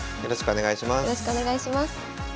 よろしくお願いします。